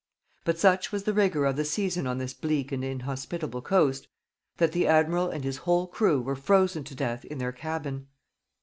But such was the rigor of the season on this bleak and inhospitable coast, that the admiral and his whole crew were frozen to death in their cabin.